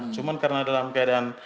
cuma karena dalam keadaan